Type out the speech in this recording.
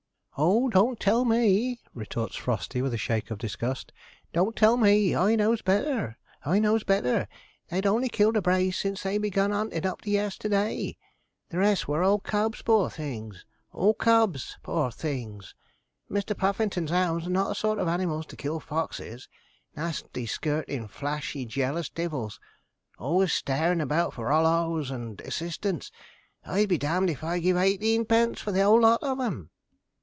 'Oh, don't tell me,' retorts Frosty, with a shake of disgust; 'don't tell me. I knows better I knows better. They'd only killed a brace since they began hunting up to yesterday. The rest were all cubs, poor things! all cubs, poor things! Mr. Puffington's hounds are not the sort of animals to kill foxes: nasty, skirtin', flashy, jealous divils; always starin' about for holloas and assistance. I'll be d d if I'd give eighteenpence for the 'ole lot on 'em.'